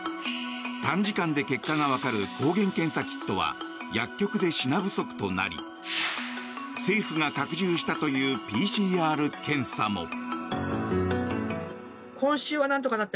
短時間で結果がわかる抗原検査キットは薬局で品不足となり政府が拡充したというＰＣＲ検査も。